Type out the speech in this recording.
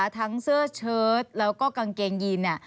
ทั้งเสื้อเชิดแล้วก็กางเกงยีน